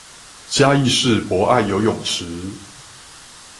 嘉義市博愛游泳池